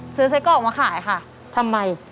ซื้อไส้กรอกมาขายค่ะทำไม